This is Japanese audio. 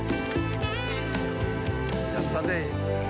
やったね。